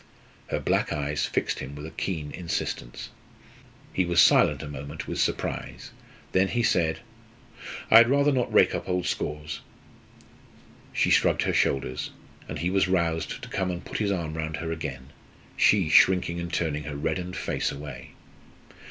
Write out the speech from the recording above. Her black eyes fixed him with a keen insistence. He was silent a moment with surprise; then he said: "I had rather not rake up old scores." She shrugged her shoulders, and he was roused to come and put his arm round her again, she shrinking and turning her reddened face away.